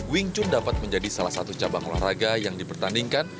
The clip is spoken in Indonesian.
wing chun dapat menjadi salah satu cabang olahraga yang dipertandingkan